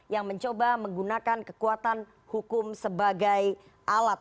yang mencoba menggunakan kekuatan hukum sebagai alat